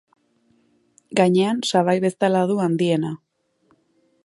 Gainean, sabai bezala du handiena.